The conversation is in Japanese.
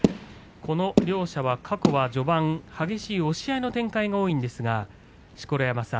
この両者は過去は、序盤激しい押し合いの展開が多いんですが。